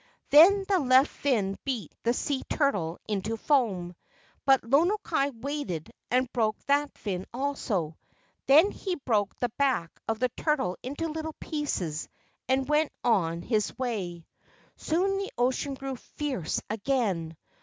Then the left fin beat the sea into foam, but Lono kai waited and broke that fin also; then he broke the back of the turtle into little pieces and went on his way. Soon the ocean grew fierce again.